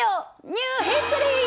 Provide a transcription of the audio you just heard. ニューヒストリー！